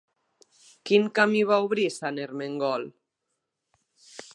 Quin camí va obrir Sant Ermengol?